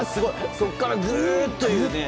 そこからぐっというね。